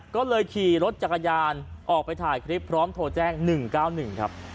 ก็เลยขี่รถจักรยานออกไปถ่ายคลิปพร้อมโทรแจ้ง๑๙๑ครับ